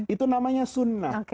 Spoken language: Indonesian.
itu namanya sunnah